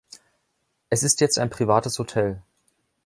Es ist jetzt ein privates Hotel.